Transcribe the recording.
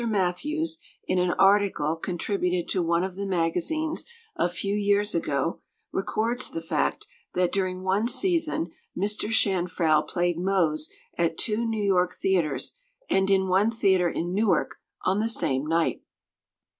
Matthews, in an article contributed to one of the magazines a few years ago, records the fact that during one season Mr. Chanfrau played Mose at two New York theatres and in one theatre in Newark on the same night.